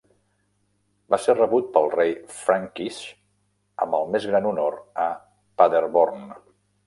Va ser rebut pel rei Frankish amb el més gran honor a Paderborn.